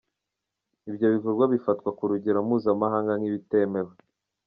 Ibyo bikorwa bifatwa ku rwego mpuzamahanga nk’ibitemewe.